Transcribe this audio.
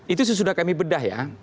itu sesudah kami bedah ya